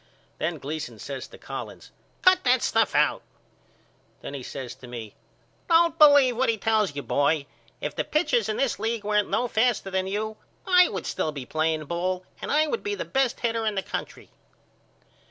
Then Gleason says to Collins Cut that stuff out. Then he says to me Don't believe what he tells you boy. If the pitchers in this league weren't no faster than you I would still be playing ball and I would be the best hitter in the country.